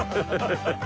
ハハハハ！